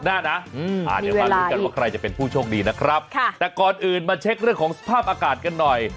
เดี๋ยวมาลุ้นกันว่าใครจะเป็นผู้โชคดีนะครับค่ะแต่ก่อนอื่นมาเช็คเรื่องของสภาพอากาศกันหน่อย